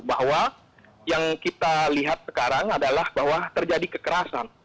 bahwa yang kita lihat sekarang adalah bahwa terjadi kekerasan